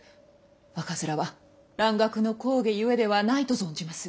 赤面は蘭学の講義ゆえではないと存じますが。